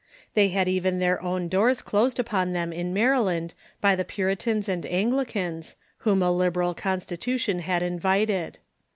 The}" had even their own doors closed upon them in Maryland by the Puritans and Anglicans, Avhom a liberal constitution had invited.